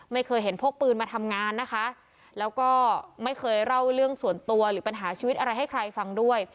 ไม่เคยเห็นพกปืนมาทำงานนะคะแล้วก็ไม่เคยเล่าเรื่องส่วนตัวหรือปัญหาชีวิตอะไรให้ใครฟังด้วย